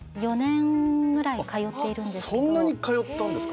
あっそんなに通ったんですか。